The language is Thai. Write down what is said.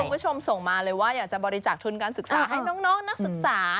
คุณผู้ชมส่งมาเลยว่าอยากจะบริจาคทุนการศึกษาให้น้องนักศึกษา